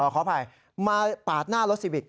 ขออภัยมาปาดหน้ารถซีวิก